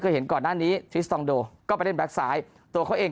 เห็นก่อนหน้านี้ทริสตองโดก็ไปเล่นแก๊กซ้ายตัวเขาเอง